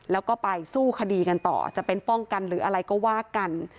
แล้วก็ไปสู้คดีกันต่อจะเป็นป้องกันหรืออะไรก็ว่ากัน